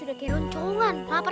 aku juga lapar